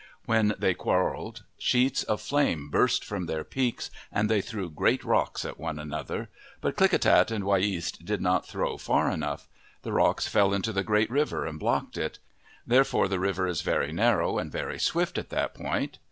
When they quarrelled, sheets of flame burst from their peaks, and they threw great rocks at one another. But Klickitat and Wiyeast did not throw far enough. The rocks fell into the Great River, and blocked it. Therefore the river is very narrow and very swift at that point.